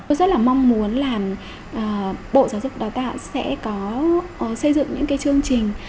tôi rất là mong muốn là bộ giáo dục đào tạo sẽ có xây dựng những cái chương trình